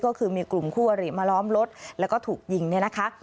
ก็คือมีกลุ่มคู่อริมาล้อมรถแล้วก็ถูกยิงเนี่ยนะคะ